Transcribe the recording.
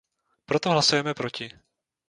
Proto hlasujeme proti.